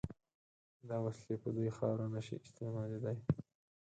دا وسلې په دوی خاوره نشي استعمالېدای.